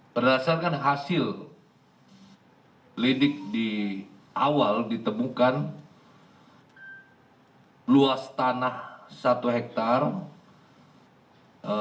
berdasarkan hasil lidik di awal ditemukan luas tanah satu hektare